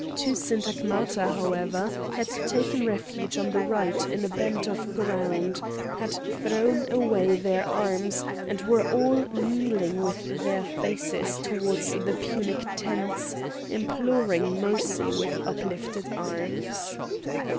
Two syntagmata, however, had taken refuge on the right in a bend of ground, had thrown away their arms, and were all kneeling with their faces towards the Punic tents imploring mercy with uplifted arms.